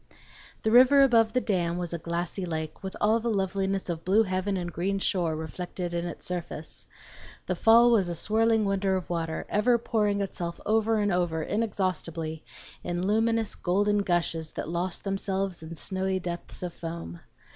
The river above the dam was a glassy lake with all the loveliness of blue heaven and green shore reflected in its surface; the fall was a swirling wonder of water, ever pouring itself over and over inexhaustibly in luminous golden gushes that lost themselves in snowy depths of foam.